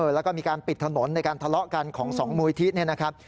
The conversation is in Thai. แล้วก็มีการปิดถนนในการทะเลาะกันของ๒มูลทิศ